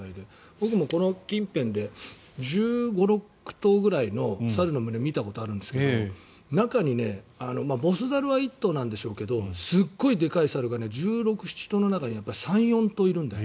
僕もこの近辺で１５１６頭ぐらいの猿の群れを見たことあるんですけど中にボス猿は１頭なんでしょうけどすごいでかい猿が１６１７頭の中に３４頭いる。